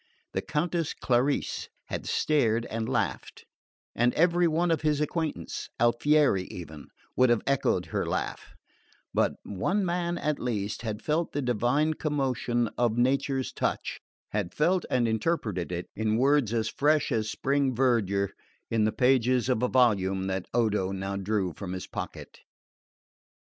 The Countess Clarice had stared and laughed, and every one of his acquaintance, Alfieri even, would have echoed her laugh; but one man at least had felt the divine commotion of nature's touch, had felt and interpreted it, in words as fresh as spring verdure, in the pages of a volume that Odo now drew from his pocket.